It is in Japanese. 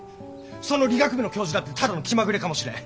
その理学部の教授だってただの気まぐれかもしれん。